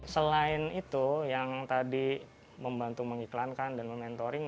selain itu yang tadi membantu mengiklankan dan mementoring